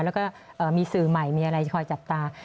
แล้วก็มีสื่อใหม่มีอะไรจะคอยจับตา